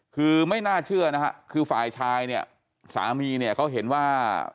คือไม่น่าเชื่อนะฮะคือฝ่ายชายเนี่ยสามีเนี่ยเขาเห็นว่า